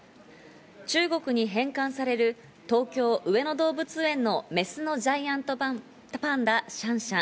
中国に返還される東京・上野動物園のメスのジャイアントパンダ、シャンシャン。